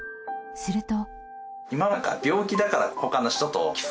すると。